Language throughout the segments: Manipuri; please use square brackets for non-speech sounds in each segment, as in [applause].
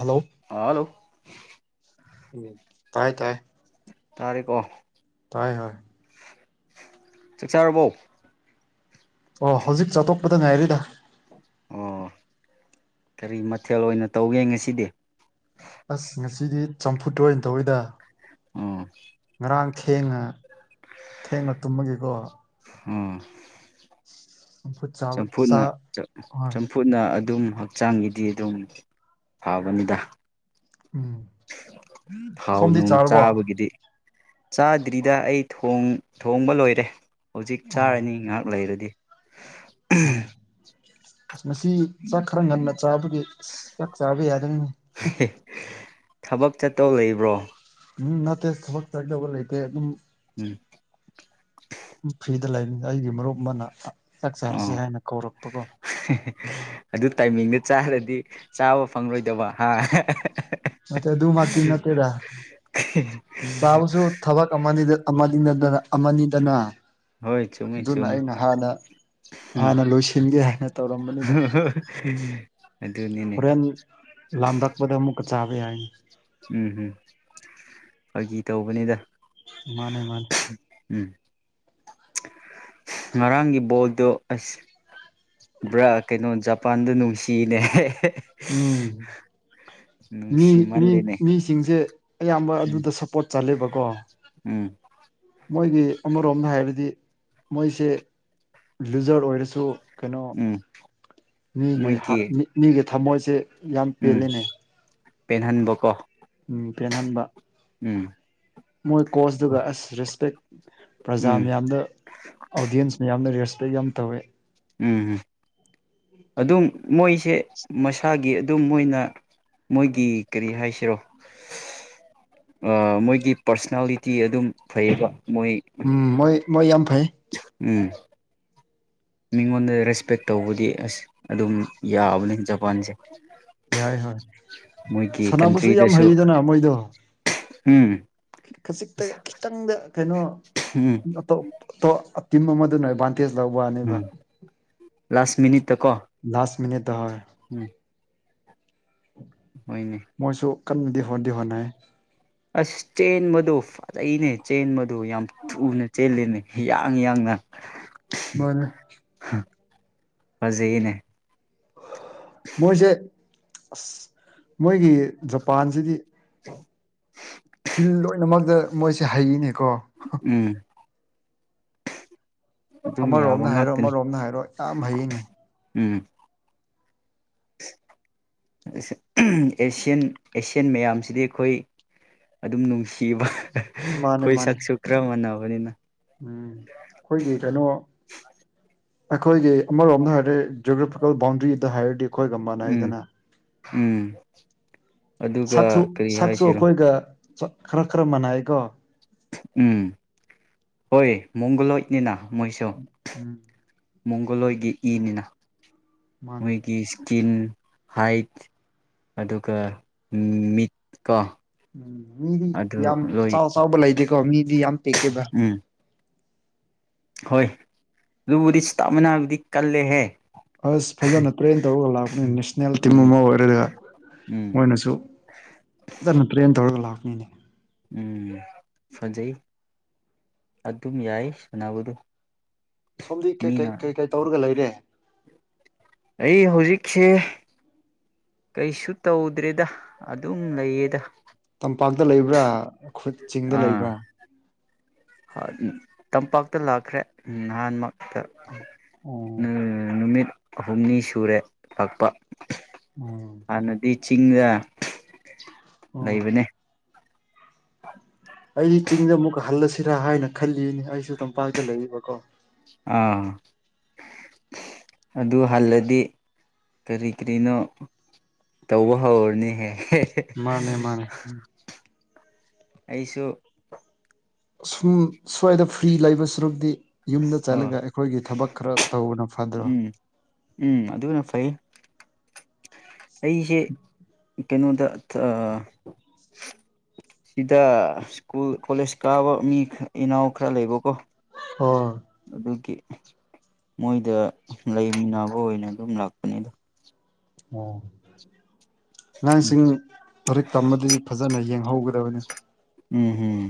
ꯍꯜꯂꯣ ꯍꯜꯂꯣ ꯎꯝ ꯇꯥꯏ ꯇꯥꯏ ꯇꯥꯔꯦꯕꯣ ꯇꯥꯏ ꯍꯣꯏ ꯆꯥꯛ ꯆꯥꯔꯕꯣ ꯑꯣ ꯍꯧꯖꯤꯛ ꯆꯥꯛ ꯇꯣꯛꯄꯗ ꯉꯥꯏꯔꯤꯗ ꯑꯣ ꯀꯔꯤ ꯃꯊꯦꯜ ꯑꯣꯏꯅ ꯇꯧꯒꯦ ꯉꯁꯤꯗꯤ ꯑꯁ ꯉꯁꯤꯗꯤ ꯆꯝꯐꯨꯠ ꯑꯣꯏꯅ ꯇꯧꯋꯤꯗ ꯑꯣ ꯉꯔꯥꯡ ꯊꯦꯡꯉ ꯊꯦꯡꯉ ꯇꯨꯝꯕꯒꯤꯀꯣ ꯑꯣ ꯆꯝꯐꯨꯠ ꯆꯥꯕ ꯆꯥ ꯆꯝꯐꯨꯠꯅ ꯍꯣꯏ ꯆꯝꯐꯨꯠꯅ ꯑꯗꯨꯝ ꯍꯛꯆꯥꯡꯒꯤꯗꯤ ꯑꯗꯨꯝ ꯐꯕꯅꯤꯗ ꯎꯝ ꯊꯥꯎ ꯁꯣꯝꯗꯤ ꯅꯨꯡ ꯆꯥꯔꯕꯣ ꯆꯥꯕꯒꯤꯗꯤ ꯆꯥꯗ꯭ꯔꯤꯗ ꯑꯩ ꯊꯣꯡ ꯊꯣꯡꯕ ꯂꯣꯏꯔꯦ ꯍꯧꯖꯤꯛ ꯑꯣ ꯆꯥꯔꯅꯤ ꯉꯥꯏꯍꯥꯛ ꯂꯩꯔꯗꯤ ꯑꯣ ꯑꯁ ꯃꯁꯤ ꯆꯥꯛ ꯈꯔ ꯉꯟꯅ ꯆꯥꯕꯒꯤ ꯑꯁ ꯆꯥꯛ ꯆꯥꯕ ꯌꯥꯗꯔꯦꯅꯦ ꯊꯕꯛ ꯆꯠꯇꯧ ꯂꯩꯕ꯭ꯔꯣ ꯎꯝ ꯅꯠꯇꯦ ꯊꯕꯛ ꯆꯠꯀꯗꯕ ꯂꯩꯇꯦ ꯑꯗꯨꯝ ꯎꯝ ꯐ꯭ꯔꯤꯗ ꯑꯩꯒꯤ ꯃꯔꯨꯞ ꯑꯃꯅ ꯆꯥꯛ ꯆꯥꯔꯁꯤ ꯑꯣ ꯍꯥꯏꯅ ꯀꯧꯔꯛꯄꯒꯣ ꯑꯗꯨ ꯇꯥꯏꯃꯤꯡꯗ ꯆꯥꯔꯗꯤ ꯆꯥꯕ ꯐꯪꯂꯔꯣꯏꯗꯕ ꯍꯥ ꯅꯠꯇꯦ ꯑꯗꯨꯗꯛꯇꯤ ꯅꯠꯇꯦꯗ ꯆꯥꯕꯁꯨ ꯊꯕꯛ ꯑꯃꯅꯤ ꯑꯃꯅꯤꯗꯅ ꯍꯣꯏ ꯆꯨꯝꯃꯤ ꯑꯗꯨꯅ ꯆꯨꯝꯃꯤ ꯑꯩꯅ ꯍꯥꯟꯅ ꯎꯝ ꯍꯥꯟꯅ ꯂꯣꯏꯁꯤꯟꯒꯦ ꯍꯥꯏꯅ ꯇꯧꯔꯝꯕꯅꯤꯗ ꯑꯗꯨꯅꯤꯅꯦ ꯍꯣꯔꯦꯟ ꯂꯥꯝꯔꯛꯄꯗ ꯑꯃꯨꯛꯀ ꯆꯥꯕ ꯌꯥꯅꯤ ꯎꯝ ꯎꯝ ꯐꯥꯒꯤ ꯇꯧꯕꯅꯤꯗ ꯃꯥꯅꯦ ꯃꯥꯅꯦ ꯎꯝ ꯉꯔꯥꯡꯒꯤ ꯕꯣꯜꯗꯣ ꯑꯁ ꯕ꯭ꯔꯥ ꯀꯩꯅꯣ ꯖꯄꯥꯟꯗ ꯅꯨꯡꯁꯤꯅꯦ ꯎꯝ ꯃꯤ ꯃꯤ ꯅꯨꯡꯁꯤꯃꯜꯂꯦꯅꯦ ꯃꯤꯁꯤꯡꯁꯦ ꯑꯌꯥꯝꯕ ꯎꯝ ꯑꯗꯨꯗ ꯁꯞꯄꯣꯔꯠ ꯆꯠꯂꯦꯕꯀꯣ ꯎꯝ ꯃꯣꯏꯒꯤ ꯑꯃꯔꯣꯝꯗ ꯍꯥꯏꯔꯗꯤ ꯃꯣꯏꯁꯦ ꯂꯨꯖꯔ ꯑꯣꯏꯔꯁꯨ ꯀꯩꯅꯣ ꯎꯝ ꯃꯤꯒꯤ ꯃꯣꯏꯒꯤ ꯃꯤꯒꯤ ꯊꯝꯃꯣꯏꯁꯦ ꯌꯥꯝ ꯄꯦꯜꯂꯤꯅꯦ ꯄꯦꯟꯍꯟꯕ ꯀꯣ ꯎꯝ ꯄꯦꯟꯍꯟꯕ ꯃꯣꯏ ꯀꯣꯁꯇꯒ ꯑꯁ ꯔꯦꯁꯄꯦꯛ ꯄ꯭ꯔꯖꯥ ꯎꯝ ꯃꯌꯥꯝꯗ ꯑꯣꯗꯤꯌꯦꯟꯁ ꯃꯌꯥꯝꯅ ꯔꯦꯁꯄꯦꯛ ꯌꯥꯝ ꯇꯧꯋꯦ ꯎꯝ ꯑꯗꯨꯝ ꯃꯣꯏꯁꯦ ꯃꯁꯥꯒꯤ ꯑꯗꯨꯝ ꯃꯣꯏꯅ ꯃꯣꯏꯒꯤ ꯀꯔꯤ ꯍꯥꯏꯁꯤꯔꯣ ꯃꯣꯏꯒꯤ ꯄꯥꯔꯁꯅꯦꯜꯂꯤꯇꯤ ꯑꯗꯨꯝ ꯐꯩꯌꯦꯕ ꯃꯣꯏ ꯎꯝ ꯃꯣꯏ ꯃꯣꯏ ꯌꯥꯝ ꯐꯩ ꯎꯝ ꯃꯤꯉꯣꯟꯗ ꯔꯦꯁꯄꯦꯛ ꯇꯧꯕꯗꯤ ꯑꯁ ꯑꯗꯨꯝ ꯌꯥꯕꯅꯤ ꯖꯄꯥꯟꯁꯦ ꯌꯥꯏ ꯃꯣꯏꯒꯤ ꯀꯟꯇ꯭ꯔꯤꯗꯁꯨ ꯎꯝ ꯈꯖꯤꯛꯇ ꯈꯤꯇꯪꯗ ꯎꯝ ꯀꯩꯅꯣꯇꯣꯞ ꯇꯤꯝ ꯑꯃꯗꯨꯅ ꯑꯦꯕꯥ ꯀꯦꯁ ꯂꯥꯎ ꯋꯥꯅꯦꯕ ꯎꯝ ꯂꯥꯁ ꯃꯤꯅꯤꯠꯇ ꯀꯣ ꯃꯤꯅꯤꯗ ꯍꯣꯢ ꯎꯝ ꯃꯅꯤ ꯃꯣꯏꯁꯨ ꯀꯟꯅꯗꯤ ꯍꯣꯠꯅꯗꯤ ꯍꯣꯠꯅꯩ ꯑꯁ ꯆꯦꯟꯕꯗꯣ ꯐꯖꯩꯅꯦ ꯆꯦꯟꯕꯗꯣ ꯌꯥꯝ ꯊꯨꯅ ꯆꯦꯜꯂꯤꯅꯦ ꯍꯤꯌꯥꯡ ꯌꯥꯡꯅ ꯃꯥꯅꯦ ꯐꯖꯩꯌꯦꯅꯦ ꯃꯣꯏꯁꯦ ꯑꯁ ꯃꯣꯏꯒꯤ ꯖꯄꯥꯟꯁꯤꯗꯤ ꯐꯤꯜ ꯂꯣꯏꯅꯃꯛꯇ ꯃꯣꯏꯁꯦ ꯍꯩꯅꯦꯀꯣ ꯎꯝ ꯑꯗꯨꯝ ꯌꯥꯕ ꯑꯃꯔꯣꯝꯅ ꯍꯥꯏꯔꯣ ꯉꯥꯛꯇꯅꯤ ꯑꯃꯔꯣꯝꯗ ꯍꯥꯏꯔꯣ ꯌꯥꯝ ꯍꯩꯅꯤ ꯎꯝ ꯑꯦꯁꯤꯌꯥꯟ ꯑꯦꯁꯤꯌꯥꯟ ꯃꯌꯥꯝꯁꯤꯗꯤ ꯑꯩꯈꯣꯏ ꯑꯗꯨꯝ ꯅꯨꯡꯁꯤꯕ ꯃꯥꯅꯦ ꯑꯩꯈꯣꯏ ꯃꯥꯅꯦ ꯁꯛꯁꯨ ꯀꯔ ꯃꯥꯟꯅꯕꯅꯤꯅ ꯎꯝ ꯑꯩꯈꯣꯏꯒꯤ ꯀꯩꯅꯣ ꯑꯩꯈꯣꯏꯒꯤ ꯑꯃꯔꯣꯝꯗ ꯍꯥꯏꯔꯦ ꯖꯣꯒ꯭ꯔꯥꯐꯤꯀꯦꯜ ꯕꯥꯎꯟꯗ꯭ꯔꯤꯗ ꯍꯥꯏꯔꯗꯤ ꯑꯩꯈꯣꯏꯒ ꯎꯝ ꯃꯥꯅꯩꯗꯅ ꯎꯝ ꯑꯗꯨꯒ ꯁꯛꯁꯨ ꯀꯔꯤ ꯁꯛꯁꯨ ꯍꯥꯏꯁꯤꯔꯣ ꯑꯩꯈꯣꯏꯒ ꯈꯔ ꯈꯔ ꯃꯅꯩꯀꯣ ꯎꯝ ꯍꯣꯏ ꯃꯪꯒꯂꯣꯏꯅꯤꯅ ꯃꯣꯏꯁꯨ ꯎꯝ ꯃꯣꯡꯒꯣꯜꯏꯒꯤ ꯏꯅꯤꯅ ꯃꯥꯅꯦ ꯃꯣꯏꯒꯤ ꯏꯁꯀꯤꯟ ꯍꯥꯏꯠ ꯑꯗꯨꯒ ꯃꯤꯠꯀꯣ ꯎꯝ ꯃꯤꯗꯤ ꯌꯥꯝ ꯆꯥꯎ ꯆꯥꯎꯕ ꯂꯩꯇꯦꯀꯣ ꯃꯤꯗꯤ ꯌꯥꯝ ꯇꯦꯛꯀꯦꯕ ꯎꯝ ꯍꯣꯏ ꯑꯗꯨꯕꯨꯗꯤ ꯁꯇꯥ ꯃꯅꯥꯕꯨꯗꯤ ꯀꯜꯂꯦꯍꯦ ꯑꯁ ꯐꯖꯅ ꯇ꯭ꯔꯦꯟ ꯇꯧꯔꯒ ꯂꯥꯛꯄꯅꯤ ꯅꯦꯁꯅꯦꯜ ꯇꯤꯝ ꯎꯝ ꯑꯃ ꯑꯣꯏꯔꯒ ꯎꯝ ꯃꯣꯏꯅꯁꯨ ꯐꯖꯅ ꯇ꯭ꯔꯦꯟ ꯇꯧꯔꯒ ꯂ ꯍꯥꯥꯛꯅꯤꯅꯦ ꯎꯝ ꯐꯖꯩ ꯑꯗꯨꯝ ꯌꯥꯏ ꯁꯥꯟꯅꯕꯗꯣ ꯁꯣꯝꯗꯤ ꯀꯩꯀꯩ ꯀꯩꯀꯩ ꯇꯧꯔꯒ ꯂꯩꯔꯦ ꯑꯩ ꯍꯧꯖꯤꯛꯁꯦ ꯀꯩꯁꯨ ꯇꯧꯗ꯭ꯔꯦꯗ ꯑꯗꯨꯝ ꯂꯩꯌꯦꯗ ꯇꯝꯄꯥꯛꯇ ꯂꯩꯕ꯭ꯔꯥ ꯈꯨ ꯆꯤꯡꯗ ꯑꯥ ꯂꯩꯕ꯭ꯔꯥ ꯇꯝꯄꯥꯛꯇ ꯂꯥꯛꯈ꯭ꯔꯦ ꯅꯍꯥꯟꯃꯛꯇ ꯑꯣ ꯅꯨꯃꯤꯠ ꯑꯍꯨꯝꯅꯤ ꯁꯨꯔꯦ ꯂꯥꯛꯄ ꯎꯝ ꯍꯥꯟꯅꯗꯤ ꯆꯤꯡꯗ ꯑꯣ ꯂꯩꯕꯅꯦ ꯑꯩ ꯆꯤꯡꯗ ꯑꯃꯨꯛ ꯍꯜꯂꯁꯤꯔꯥ ꯍꯥꯏꯅ ꯈꯜꯂꯤꯅꯤ ꯑꯩꯁꯨ ꯇꯝꯄꯥꯛꯇ ꯂꯩꯔꯤꯕꯀꯣ ꯑꯥ ꯑꯗꯨ ꯍꯜꯂꯗꯤ ꯀꯔꯤ ꯀꯔꯤꯅꯣ ꯇꯧꯕ ꯍꯧꯔꯅꯤꯍꯦ ꯃꯥꯅꯦ ꯃꯥꯅꯦ ꯑꯩꯁꯨ ꯁꯨꯝ ꯁ꯭ꯋꯥꯏꯗ ꯐ꯭ꯔꯤ ꯂꯩꯕ ꯁꯔꯨꯗꯤ ꯌꯨꯝꯗ ꯑꯣ ꯆꯠꯂꯒ ꯑꯩꯈꯣꯏꯒꯤ ꯊꯕꯛ ꯈꯔ ꯇꯧꯕꯅ ꯐꯗ꯭ꯔꯣ ꯎꯝ ꯎꯝ ꯑꯗꯨꯅ ꯐꯩ ꯑꯩꯁꯦ ꯀꯩꯅꯣꯗ ꯁꯤꯗ ꯁ꯭ꯀꯨꯜ ꯀꯣꯂꯦꯖ ꯀꯥꯕ ꯃꯤ ꯏꯅꯥꯎ ꯈꯔ ꯂꯩꯕꯀꯣ ꯑ ꯑꯗꯨꯒꯤ ꯃꯣꯏꯗ ꯂꯩꯃꯤꯟꯅꯕ ꯑꯣꯏꯅ ꯑꯗꯨꯝ ꯂꯥꯛꯄꯅꯤꯗꯣ ꯑꯣ ꯑꯉꯥꯡꯁꯤꯡ ꯂꯥꯏꯔꯤꯛ ꯇꯝꯕꯗꯗꯤ ꯐꯖꯅ ꯌꯦꯡꯍꯧꯒꯗꯕꯅꯤ ꯎꯝ ꯎꯝ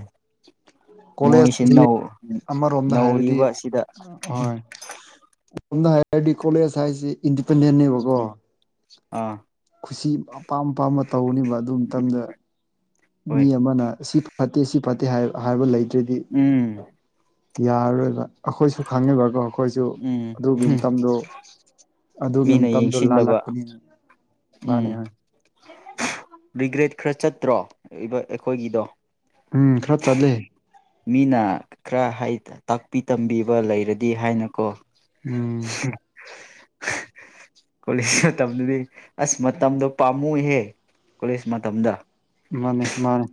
ꯃꯣꯏꯁꯤ ꯀꯣꯂꯦꯖꯁꯤ ꯑꯃꯔꯣꯝꯗ ꯍꯥꯏꯔꯗꯤ ꯅꯧꯔꯤꯕ ꯑꯁꯤꯗ ꯝꯅ ꯍꯥꯏ ꯑꯥꯏꯗꯤ ꯀꯣꯂꯦꯖ ꯍꯥꯏꯁꯦ ꯏꯟꯗꯤꯄꯦꯟꯗꯦꯟꯅꯦꯕꯀꯣ ꯎꯝ ꯑꯥ ꯈꯨꯁꯤ ꯑꯄꯥꯝ ꯑꯄꯥꯝꯕ ꯇꯧꯅꯦꯕ ꯑꯗꯨ ꯃꯇꯝꯗ ꯃꯤ ꯍꯣꯏ ꯑꯃꯅ ꯁꯤ ꯐꯠꯇꯦ ꯁꯤ ꯐꯠꯇꯦ ꯍꯥꯏꯕ ꯂꯩ ꯎꯝ ꯌꯥꯔꯣꯏꯕ ꯑꯩꯈꯣꯏꯁꯨ ꯈꯪꯉꯤꯕꯀꯣ ꯑꯩꯈꯣꯏꯁꯨ ꯎꯝ ꯑꯗꯨꯒꯤ ꯃꯇꯝꯗꯣ ꯑꯗꯨꯒꯤ ꯃꯤꯅ ꯃꯇꯝꯗꯣ ꯌꯦꯡꯁꯤꯟꯗꯕ ꯂꯥꯜꯂꯛꯄꯅꯤ ꯍꯥꯏ ꯅꯤ ꯎꯝ ꯍꯥꯏ ꯔꯤꯒ꯭ꯔꯦꯠ ꯈꯔ ꯆꯠꯇ꯭ꯔꯣ ꯑꯩꯈꯣꯏꯒꯤꯗꯣ ꯎꯝ ꯈꯔ ꯆꯠꯂꯦ꯫ ꯃꯤꯅ ꯈꯔ ꯇꯥꯛꯄꯤ ꯇꯝꯕꯤꯕ ꯂꯩꯔꯗꯤ ꯍꯥꯏꯅꯀꯣ ꯎꯝ [unintelligible] ꯀꯣꯂꯦꯖ ꯃꯇꯝꯗꯨꯗꯤ ꯑꯁ ꯃꯇꯝꯗꯣ ꯄꯥꯝꯃꯨꯍꯦ ꯀꯣꯂꯦꯖ ꯃꯇꯝꯗ ꯃꯥꯅꯦ ꯃꯥꯅꯦ꯫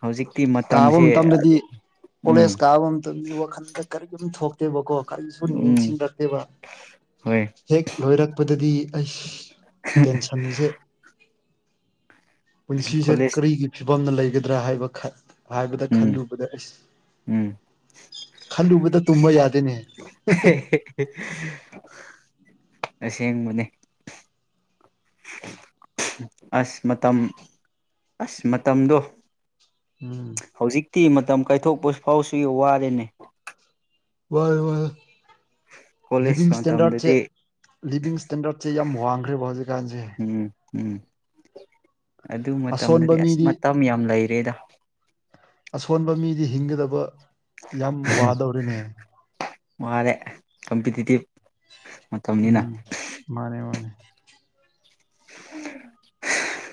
ꯍꯧꯖꯤꯛꯇꯤ ꯀꯥꯕ ꯃꯇꯝꯁꯦ ꯃꯇꯝꯗꯗꯤ ꯀꯣꯂꯦꯖ ꯎꯝ ꯀꯥꯕ ꯃꯇꯝꯗ ꯋꯥꯈꯟꯗ ꯀꯔꯤꯒꯨꯝ ꯊꯣꯛꯇꯦꯕꯀꯣ ꯀꯔꯤꯁꯨ ꯎꯝ ꯅꯤꯡꯁꯤꯡꯂꯛꯇꯦꯕ ꯍꯣꯏ ꯍꯦꯛ ꯂꯣꯏꯔꯛꯄꯗꯗꯤ ꯑꯩ ꯇꯦꯟꯁꯟꯁꯦ ꯄꯨꯟꯁꯤꯁꯦ ꯀꯣꯂꯦꯖ ꯀꯔꯤꯒꯤ ꯐꯤꯕꯝꯅ ꯂꯩꯒꯗ꯭ꯔꯥ ꯍꯥꯏꯕ ꯍꯥꯏꯕꯗ ꯎꯝ ꯈꯜꯂꯨꯕꯗ ꯎꯝ ꯑꯩꯁ ꯈꯜꯂꯨꯕꯗ ꯇꯨꯝꯕ ꯌꯥꯗꯦꯅꯦ [unintelligible] ꯑꯁꯦꯡꯕꯅꯦ ꯑꯁ ꯃꯇꯝ ꯑꯁ ꯃꯇꯝꯗꯣ! ꯎꯝ ꯇꯤ ꯃꯇꯝ ꯀꯥꯏꯊꯣꯛꯄ ꯐꯥꯎꯁꯨ ꯋꯥꯔꯦꯅꯦ꯫ ꯋꯥꯏ ꯋꯥꯏ ꯂꯤꯕꯤꯡ ꯀꯣꯂꯦꯖ ꯏꯁꯇꯦꯟꯗꯔꯗ ꯃꯇꯝꯗꯗꯤ ꯁꯦ ꯏꯁꯇꯦꯟꯗꯔꯠꯁꯦ ꯌꯥꯝ ꯋꯥꯡꯈ꯭ꯔꯦꯕ ꯍꯧꯖꯤꯛꯀꯥꯟꯁꯦ ꯎꯝ ꯎꯝ ꯑꯗꯨ ꯑꯁꯣꯟꯕ ꯃꯇꯝꯗꯗꯤ ꯑꯁ ꯃꯤꯗꯤ ꯃꯇꯝ ꯌꯥꯝ ꯂꯩꯔꯦꯗ ꯑꯁꯣꯟꯕ ꯃꯤꯗꯤ ꯍꯤꯡꯒꯗꯕ ꯌꯥꯝ ꯋꯥꯗꯧꯔꯤꯅꯦ꯫ ꯋꯥꯔꯦ ꯀꯝꯄꯤꯇꯤꯇꯤꯚ ꯎꯝ ꯃꯥꯅꯦ ꯃꯥꯅꯦ꯫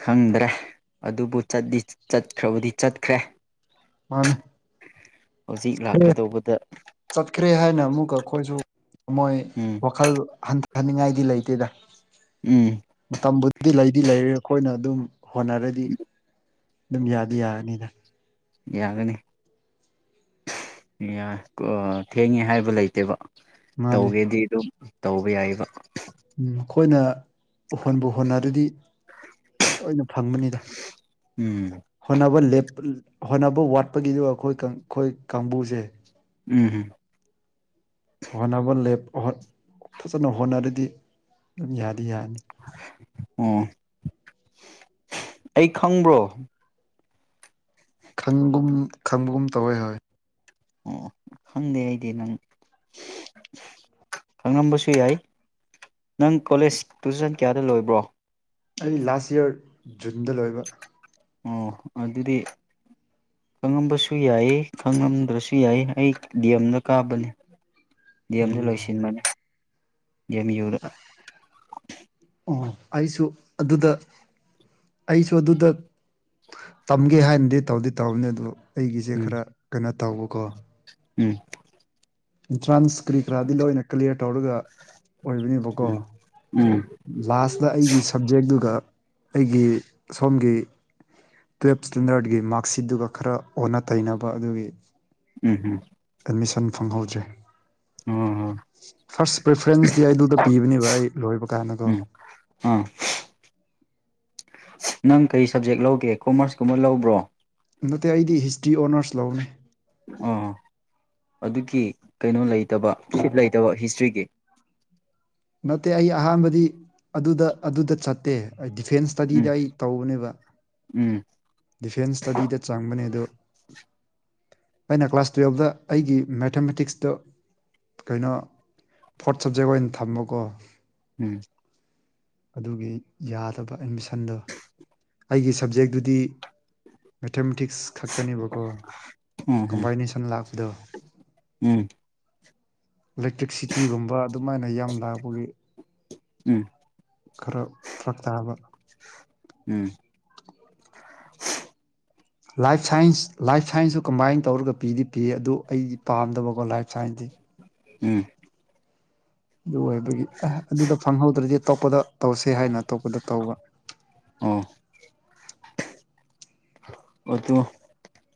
ꯈꯪꯗ꯭ꯔꯦ ꯑꯗꯨꯕꯨ ꯆꯠꯈ꯭ꯔꯕꯨꯗꯤ ꯆꯠꯈ꯭ꯔꯦ ꯃꯥꯅꯦ ꯆ ꯑꯦ ꯂꯥꯛꯀꯗꯧꯕꯗ ꯆꯠꯈ꯭ꯔꯦ ꯍꯥꯏꯅ ꯑꯃꯨꯛꯀ ꯑꯩꯈꯣꯏꯁꯨ ꯃꯣꯏ ꯎꯝ ꯋꯥꯈꯜ ꯍꯟꯊ ꯍꯅꯤꯡꯉꯥꯏꯗꯤ ꯂꯩꯇꯦꯗ ꯎꯝ ꯃꯇꯝꯕꯨꯗꯤ ꯂꯩꯗꯤ ꯂꯩꯔ ꯑꯩꯈꯣꯏꯅ ꯑꯗꯨꯝ ꯍꯣꯠꯅꯔꯗꯤ ꯑꯗꯨꯝ ꯌꯥꯗꯤ ꯌꯥꯔꯅꯤꯅ ꯌꯥꯒꯅꯤ ꯌꯥꯏ ꯊꯦꯡꯉꯦ ꯍꯥꯏꯕ ꯂꯩꯇꯦꯕ ꯃꯥꯅꯦ ꯇꯧꯒꯦꯗꯤ ꯑꯗꯨꯝ ꯇꯧꯕ ꯌꯥꯏꯕ ꯃꯈꯣꯏꯅ ꯍꯣꯟꯕꯨ ꯍꯣꯟꯅꯔꯗꯤ ꯇꯣꯏꯅ ꯐꯪꯕꯅꯤꯗ ꯎꯝ ꯍꯣꯠꯅꯕ ꯂꯦꯞ ꯍꯣꯠꯅꯕ ꯋꯥꯠꯄꯒꯤꯗꯣ ꯑꯩꯈꯣꯏ ꯑꯩꯈꯣꯏ ꯀꯥꯡꯕꯨꯁꯦ ꯎꯝ ꯎꯝ ꯍꯣꯠꯅꯕ ꯂꯦꯞ ꯐꯖꯅ ꯍꯣꯠꯅꯔꯗꯤ ꯑꯗꯨꯝ ꯌꯥꯅꯤ ꯌꯥꯅꯤ ꯑꯣ ꯑꯩ ꯈꯪꯕ꯭ꯔꯣ ꯈꯪꯒꯨꯝ ꯈꯪꯕꯒꯨꯝ ꯇꯧꯋꯣꯏ ꯍꯣꯏ ꯑꯣ ꯈꯪꯗꯦ ꯑꯩꯗꯤ ꯅꯪ ꯈꯪꯉꯝꯕꯁꯨ ꯌꯥꯏ ꯅꯪ ꯀꯣꯂꯦꯖ ꯇꯨꯏꯁꯟ ꯀꯌꯥꯗ ꯂꯣꯏꯕ꯭ꯔꯣ ꯑꯩ ꯂꯥꯁ ꯏꯌꯥꯔ ꯖꯨꯟꯗ ꯂꯣꯏꯕ ꯑꯣ ꯑꯗꯨꯗꯤ ꯈꯪꯉꯝꯕꯁꯨ ꯌꯥꯏ ꯈꯪꯉꯝꯗ꯭ꯔꯁꯨ ꯌꯥꯏ ꯑꯩ ꯗꯤꯑꯝꯗ ꯀꯥꯕꯅꯤ ꯗꯤꯑꯦꯝꯁꯨ ꯎꯝ ꯂꯣꯏꯁꯤꯟꯕꯅꯤ ꯌꯦꯃꯤ ꯌꯗ ꯑꯣ ꯑꯩꯁꯨ ꯑꯗꯨꯗ ꯑꯩꯁꯨ ꯑꯗꯨꯗ ꯇꯝꯒꯦ ꯍꯥꯏꯅꯗꯤ ꯇꯧꯗꯤ ꯇꯧꯅꯤ ꯑꯗꯨ ꯑꯩꯒꯤꯁꯦ ꯎꯝ ꯈꯔ ꯀꯩꯅꯣ ꯇꯧꯕꯀꯣ ꯎꯝ ꯑꯦꯟꯇ꯭ꯔꯥꯟꯁ ꯀꯔꯤ ꯀꯔꯥꯗꯤ ꯂꯣꯏꯅ ꯀ꯭ꯂꯤꯌꯥꯔ ꯇꯧꯔꯒ ꯑꯣꯏꯕꯅꯦꯕꯀꯣ ꯎꯝ ꯎꯝ ꯂꯥꯁꯇ ꯑꯩꯒꯤ ꯁꯕꯖꯦꯛꯇꯨꯒ ꯑꯩꯒꯤ ꯁꯣꯝꯒꯤ ꯇꯨꯌꯦꯜꯞ ꯏꯁꯇꯦꯟꯗꯔꯠꯀꯤ ꯃꯥꯔꯛꯁꯤꯠꯇꯒ ꯈꯔ ꯑꯣꯟꯅ ꯇꯩꯅꯕ ꯑꯗꯨꯒꯤ ꯎꯝ ꯎꯝ ꯃꯤꯁꯟ ꯐꯪꯍꯧꯗ꯭ꯔꯦ ꯑꯣ ꯐꯥꯔꯁ ꯄ꯭ꯔꯔꯤꯐ꯭ꯔꯦꯟꯁꯇꯤ ꯑꯩ ꯑꯗꯨꯗ ꯄꯤꯕꯅꯦꯕ ꯑꯩ ꯂꯣꯏꯕ ꯀꯥꯟꯗꯀꯣ ꯎꯝ ꯑꯥ ꯅꯪ ꯀꯩ ꯁꯕꯖꯦꯛ ꯂꯧꯒꯦ ꯀꯣꯃꯔꯁꯀꯨꯝꯕ ꯂꯧꯕ꯭ꯔꯣ ꯅꯠꯇꯦ ꯑꯩꯗꯤ ꯍꯤꯁꯇ꯭ꯔꯤ ꯑꯣꯅꯔꯁ ꯂꯧꯅꯦ ꯑ ꯑꯗꯨꯒꯤ ꯀꯩꯅꯣ ꯂꯩꯇꯕ ꯁꯤꯞ ꯂꯩꯇꯕ ꯍꯤꯁꯇ꯭ꯔꯤꯒꯤ ꯅꯠꯇꯦ ꯑꯩ ꯑꯍꯥꯟꯕꯗꯤ ꯑꯗꯨꯗ ꯑꯗꯨꯗ ꯆꯠꯇꯦ ꯑꯩ ꯗꯤꯐꯦꯟꯁ ꯁ꯭ꯇꯗꯤꯗ ꯎꯝ ꯑꯩ ꯇꯧꯕꯅꯦꯕ ꯎꯝ ꯗꯤꯐꯦꯟꯁ ꯁ꯭ꯇꯗꯤꯗ ꯆꯪꯕꯅꯦ ꯑꯗꯣ [inaudible] ꯑꯩꯅ ꯀ꯭ꯂꯥꯁ ꯇꯨꯌꯦꯜꯞꯇ ꯑꯩꯒꯤ ꯃꯦꯊꯃꯦꯇꯤꯛꯁꯇ ꯀꯩꯅꯣ ꯐꯣꯔꯠ ꯁꯕꯖꯦꯛ ꯑꯣꯏꯅ ꯊꯃꯀꯣ ꯎꯝ ꯑꯗꯨꯒꯤ ꯌꯥꯗꯕ ꯑꯦꯠꯃꯤꯁꯟꯗꯣ ꯑꯩꯒꯤ ꯁꯕꯖꯦꯛꯇꯨꯗꯤ ꯃꯦꯊꯃꯦꯇꯤꯛꯁ ꯈꯛꯇꯅꯦꯕꯀꯣ ꯎꯝ ꯎꯝ ꯀꯝꯕꯥꯏꯅꯦꯁꯟ ꯂꯥꯛꯄꯗꯣ ꯎꯝ ꯏꯂꯦꯛꯇ꯭ꯔꯤꯛꯁꯤꯇꯤꯒꯨꯝꯕ ꯑꯗꯨꯃꯥꯏꯅ ꯌꯥꯝ ꯂꯥꯛꯄꯒꯤ ꯎꯝ ꯈꯔ ꯐꯔꯛ ꯇꯥꯕ ꯎꯝ [inaudible] ꯂꯥꯏꯐ ꯁꯥꯏꯟꯁ ꯂꯥꯏꯐ ꯁꯥꯏꯟꯁꯁꯨ ꯀꯝꯕꯥꯏꯟ ꯇꯧꯔꯒ ꯄꯤꯗꯤ ꯄꯤ ꯑꯗꯨ ꯑꯩꯗꯤ ꯄꯥꯝꯗꯕꯀꯣ ꯂꯥꯏꯐ ꯁꯥꯏꯟꯁꯇꯤ ꯎꯝ ꯑꯗꯨ ꯑꯣꯏꯕꯒꯤ ꯑ ꯑꯗꯨꯗ ꯐꯪꯍꯧꯗ꯭ꯔꯗꯤ ꯑꯇꯣꯞꯄꯗ ꯇꯧꯁꯦ ꯍꯥꯏꯅ ꯑꯇꯣꯞꯄꯗ ꯇꯧꯕ ꯑꯥ ꯑꯣ ꯑꯗꯨ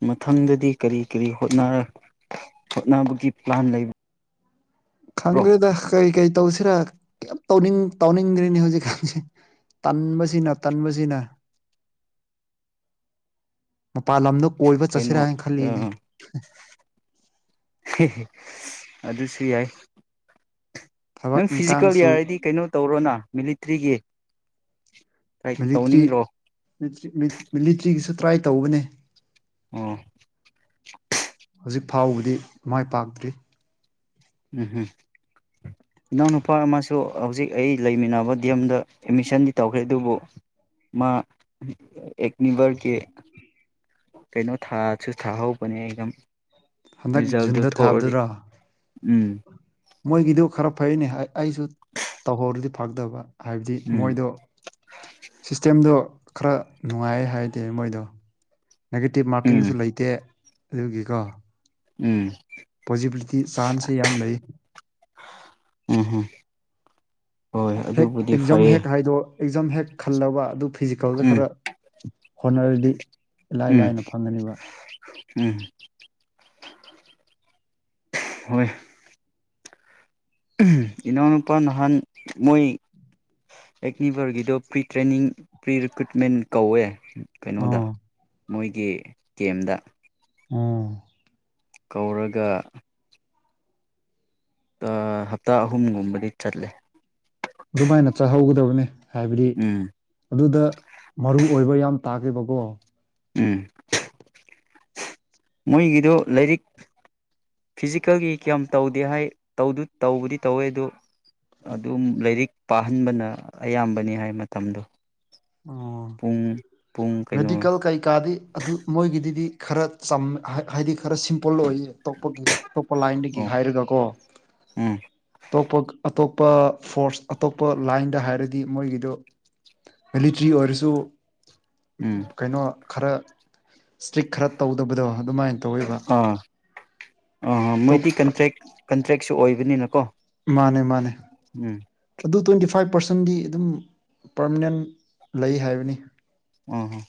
ꯃꯊꯪꯗꯗꯤ ꯀꯔꯤ ꯀꯔꯤ ꯍꯣꯠꯅꯕꯒꯤ ꯄ꯭ꯂꯥꯟ ꯂꯩꯕ ꯈꯪꯗ꯭ꯔꯦꯗ ꯀꯔꯤ ꯀꯔꯤ ꯇꯧꯁꯤꯔꯥ ꯀꯩꯝ ꯇꯧꯅꯤꯡ ꯇꯧꯅꯤꯡꯗ꯭ꯔꯤꯅꯤ ꯍꯧꯖꯤꯛꯀꯥꯟꯁꯦ ꯇꯟꯕꯁꯤꯅ ꯇꯟꯕꯁꯤꯅ [inaudible] ꯃꯄꯥꯜ ꯂꯝꯗ ꯀꯣꯏꯕ ꯆꯠꯁꯤꯔꯥ ꯀꯩꯅꯣ ꯍꯥꯏꯅ ꯈꯜꯂꯤꯅꯦ ꯍꯦꯍꯦ ꯑꯗꯨꯁꯨ ꯌꯥꯏ ꯊꯕꯛ ꯅꯪ ꯐꯤꯖꯤꯀꯦꯜ ꯏꯪꯈꯥꯡꯁꯨ ꯌꯥꯔꯗꯤ ꯀꯩꯅꯣ ꯇꯧꯔꯣꯅ ꯃꯤꯂꯤꯇ꯭ꯔꯤꯒꯤ ꯇ꯭ꯔꯥꯏ ꯃꯤꯂꯤꯇ꯭ꯔꯤ ꯇꯧꯅꯤꯡꯗ꯭ꯔꯣ ꯃꯤꯂꯤꯇ꯭ꯔꯤꯒꯤꯁꯨ ꯇ꯭ꯔꯥꯏ ꯇꯧꯕꯅꯦ ꯑꯣ ꯍꯧꯖꯤꯛ ꯐꯥꯎꯕꯗꯤ ꯃꯥꯏ ꯄꯥꯛꯇ꯭ꯔꯤ ꯎꯝ ꯍꯨꯝ ꯏꯅꯥꯎꯅꯨꯄꯥ ꯑꯃꯁꯨ ꯍꯧꯖꯤꯛ ꯑꯩ ꯂꯩꯃꯤꯟꯅꯕ ꯗꯤ ꯑꯦꯝꯗ ꯑꯦꯠꯃꯤꯁꯟꯗꯤ ꯇꯧꯔꯦ ꯑꯗꯨꯕꯨ ꯃꯥ ꯑꯦꯅꯤꯚꯔ ꯀꯤ ꯀꯩꯅꯣ ꯊꯥꯁꯨ ꯊꯥꯍꯧꯕꯅꯦ ꯑꯦꯛꯖꯥꯝ ꯍꯟꯗꯛ ꯔꯤꯖꯜꯗꯨ ꯖꯨꯟꯗ ꯊꯣꯛꯑꯗꯤ ꯊꯥꯕꯗꯨꯔꯥ ꯎꯝ ꯃꯣꯏꯒꯤꯗꯨ ꯈꯔ ꯐꯩꯑꯦꯅꯦ ꯑꯩꯁꯨ ꯇꯧꯍꯧꯔꯗꯤ ꯐꯒꯗꯕ ꯍꯥꯏꯕꯗꯤ ꯎꯝ ꯃꯣꯏꯗꯣ ꯁꯤꯁꯇꯦꯝꯗꯣ ꯈꯔ ꯅꯨꯡꯉꯥꯏ ꯍꯥꯏꯗꯦ ꯃꯣꯏꯗꯣ ꯅꯦꯒꯦꯇꯤꯞ ꯎꯝ ꯃꯥꯔꯀꯤꯡꯁꯨ ꯂꯩꯇꯦ ꯑꯗꯨꯒꯤꯀꯣ ꯎꯝ ꯄꯣꯖꯤꯕꯤꯂꯤꯇꯤ ꯆꯥꯟꯁꯦ ꯌꯥꯝ ꯂꯩ ꯎꯝ ꯎꯝ ꯍꯣꯏ ꯍꯦꯛ ꯑꯗꯨꯕꯨꯗꯤ ꯑꯦꯛꯖꯥꯝ ꯐꯩꯌꯦ ꯍꯦꯛ ꯍꯥꯏꯗꯣ ꯑꯦꯛꯖꯥꯝ ꯍꯦꯛ ꯈꯜꯂꯕ ꯑꯗꯨ ꯐꯤꯖꯤꯀꯦꯜꯗ ꯎꯝ ꯈꯔ ꯍꯣꯠꯅꯔꯗꯤ ꯏꯂꯥꯏ ꯎꯝ ꯂꯥꯏꯅ ꯐꯪꯒꯅꯤꯕ [inaudible] ꯍꯣꯏ ꯎꯝ ꯏꯅꯥꯎꯅꯨꯄꯥ ꯅꯍꯥꯟ ꯃꯣꯏ ꯑꯦꯛꯅꯤꯕꯔꯒꯤꯗꯣ ꯄ꯭ꯔꯤ ꯇ꯭ꯔꯦꯅꯤꯡ ꯄ꯭ꯔꯤꯔꯤꯀ꯭ꯔꯨꯏꯠꯃꯦꯟ ꯀꯧꯋꯦ ꯀꯩꯅꯣꯗ ꯑꯣ ꯃꯣꯏꯒꯤ ꯀꯦꯝꯗ ꯎꯝ ꯀꯧꯔꯒ ꯑ ꯍꯞꯇꯥ ꯑꯍꯨꯝꯒꯨꯝꯕꯗꯤ ꯆꯠꯂꯦ ꯑꯗꯨꯃꯥꯏꯅ ꯆꯥꯍꯧꯒꯗꯕꯅꯤ ꯍꯥꯏꯕꯗꯤ ꯎꯝ ꯑꯗꯨꯗ ꯃꯔꯨ ꯑꯣꯏꯕ ꯌꯥꯝ ꯇꯥꯒꯦꯕꯀꯣ ꯎꯝ ꯃꯣꯏꯒꯤꯗꯣ ꯂꯥꯏꯔꯤꯛ ꯐꯤꯖꯤꯀꯦꯜꯒꯤ ꯀꯌꯥꯝ ꯇꯧꯗꯦ ꯍꯥꯏ ꯇꯧꯗꯨ ꯇꯧꯕꯨꯗꯤ ꯇꯧꯋꯦ ꯑꯗꯨ ꯑꯗꯨꯝ ꯂꯥꯏꯔꯤꯛ ꯄꯥꯍꯟꯕꯅ ꯑꯌꯥꯝꯕꯅꯤ ꯍꯥꯏ ꯃꯇꯝꯗꯣ ꯑꯣ ꯄꯨꯡ ꯄꯨꯡ ꯀꯩꯅꯣ ꯃꯦꯗꯤꯀꯦꯜ ꯀꯩꯀꯥꯗꯤ ꯑꯗꯨ ꯃꯣꯏꯒꯤꯗꯤꯗꯤ ꯈꯔ ꯆꯝꯃꯦ ꯍꯥꯏꯗꯤ ꯈꯔ ꯁꯤꯝꯄꯜ ꯑꯣꯏꯌꯦ ꯑꯇꯣꯞꯄꯒꯤ ꯑꯇꯣꯞꯄ ꯂꯥꯏꯟꯗꯒꯤ ꯑꯣ ꯍꯥꯏꯔꯒꯀꯣ ꯎꯝ ꯑꯇꯣꯞꯄ ꯑꯇꯣꯞ ꯑꯇꯣꯞꯄ ꯐꯣꯔꯁ ꯑꯇꯣꯞꯄ ꯂꯥꯏꯟꯗ ꯍꯥꯏꯔꯗꯤ ꯃꯣꯏꯒꯤꯗ ꯃꯤꯂꯤꯇ꯭ꯔꯤ ꯑꯣꯏꯔꯁꯨ ꯎꯝ ꯀꯩꯅꯣ ꯈꯔ ꯏꯁꯇ꯭ꯔꯤꯛ ꯈꯔ ꯇꯧꯗꯕꯗꯣ ꯑꯗꯨꯃꯥꯏ ꯇꯧꯋꯦꯕ ꯑ ꯇꯣꯞ ꯃꯣꯏꯗꯤ ꯀꯟꯇ꯭ꯔꯦꯛ ꯀꯟꯇ꯭ꯔꯦꯛꯁꯨ ꯑꯣꯏꯕꯅꯤꯅꯀꯣ ꯃꯥꯅꯦ ꯃꯥꯅꯦ ꯎꯝ ꯑꯗꯨ ꯇꯣꯢ ꯐꯥꯏꯚ ꯄꯥꯔꯁꯦꯟꯗꯤ ꯑꯗꯨꯝ ꯄꯔꯃꯅꯦꯟ ꯂꯩ ꯍꯥꯏꯕꯅꯤ ꯑꯣ ꯍꯣ